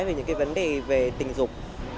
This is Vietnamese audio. về những cái vấn đề về tình dục